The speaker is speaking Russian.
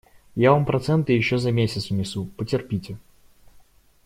Я вам проценты еще за месяц внесу; потерпите.